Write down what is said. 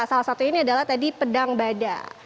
nah salah satu ini adalah tadi pedang bada